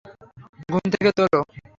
ঘুম থেকে তোল!